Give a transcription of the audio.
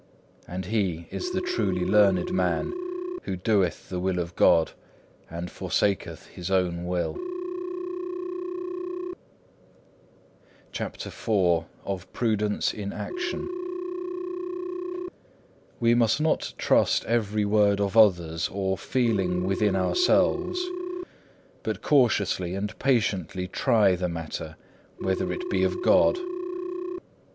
And he is the truly learned man, who doeth the will of God, and forsaketh his own will. (1) Psalm xciv. 12; Numbers xii. 8. (2) John viii. 25 (Vulg.). CHAPTER IV Of prudence in action We must not trust every word of others or feeling within ourselves, but cautiously and patiently try the matter, whether it be of God.